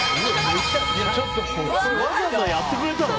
わざわざやってくれたの？